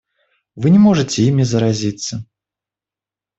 Вы не можете ими заразиться.